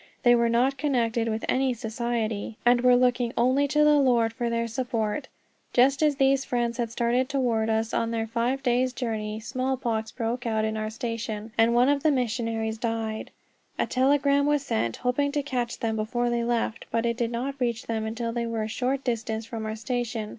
They were not connected with any Society, and were looking only to the Lord for their support. Just as these friends had started toward us, on their five days' journey, smallpox broke out at our station, and one of the missionaries died. A telegram was sent, hoping to catch them before they left, but it did not reach them until they were a short distance from our station.